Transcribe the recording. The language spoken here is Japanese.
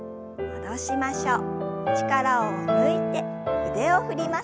戻しましょう。